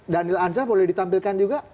daniel ansar boleh ditampilkan juga